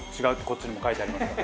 こっちにも書いてありました。